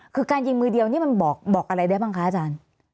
คือการยิงมือเดียวนี่มันบอกอะไรได้บ้างคะอาจารย์